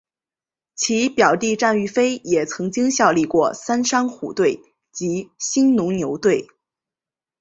其表弟战玉飞也曾经效力过三商虎队及兴农牛队。